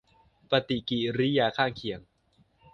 ปฏิกิริยาข้างเคียง